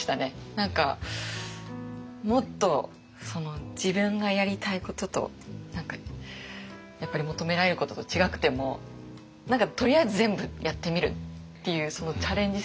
何かもっと自分がやりたいこととやっぱり求められることと違くても何かとりあえず全部やってみるっていうそのチャレンジ